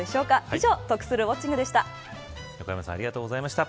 以上得するウォッチング！でした。